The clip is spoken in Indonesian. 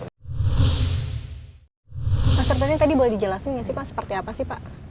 mas rupani tadi boleh dijelasin ya sih pak seperti apa sih